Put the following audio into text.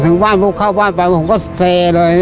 ถึงบ้านปุ๊บเข้าบ้านไปผมก็เซเลย